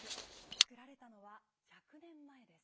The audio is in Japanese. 作られたのは１００年前です。